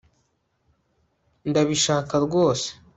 ndabishaka rwose